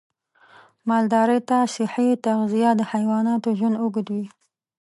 مالدارۍ ته صحي تغذیه د حیواناتو ژوند اوږدوي.